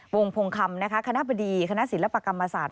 วงพงคำคณะบดีคณะศิลปกรรมศาสต